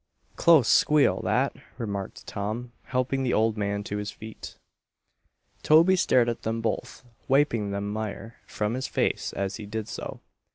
"Close squeal, that," remarked Tom, helping the old man to his feet. Toby stared at them both, wiping the mire from his face as he did so.